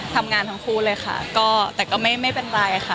ทำงานทั้งคู่เลยค่ะก็แต่ก็ไม่เป็นไรค่ะ